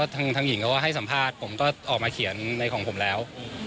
ทางหญิงเขาก็ให้สัมภาษณ์ผมก็ออกมาเขียนในของผมแล้ว